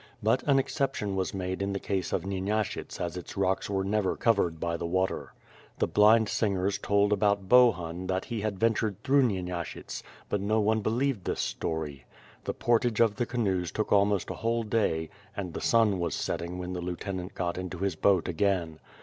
But an exception was made in the case of Nyenashyts as its rocks were never covered by the water. The blind singers told about Bohun that he had ventured through Nyenashyts, but no one believed this story. The portage pf the canoes took almost a whole day and the sun was setting when the lieutenant got into his boat again.